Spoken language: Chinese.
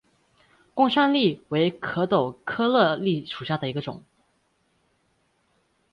贡山栎为壳斗科栎属下的一个种。